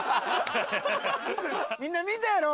みんな見たやろ？